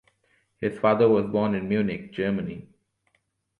His father was born in Munich, Germany.